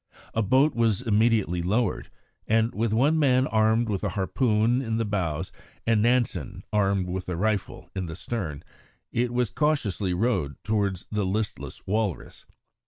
A boat was immediately lowered, and with one man armed with a harpoon in the bows, and Nansen armed with a rifle in the stern, it was cautiously rowed towards the listless walrus.